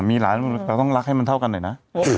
มีหลานเราต้องรักให้มันเท่ากันหน่อยนะ